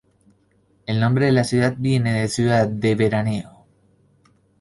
El nombre de la ciudad viene de "Ciudad del Veraneo".